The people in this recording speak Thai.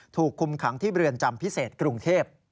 ถูกคุมขังที่เรือนจำพิเศษกรุงเทพ